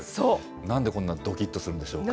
なんでこんなドキッとするんでしょうか。